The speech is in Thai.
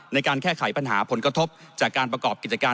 ในการแก้ไขปัญหาผลกระทบจากการประกอบกิจการ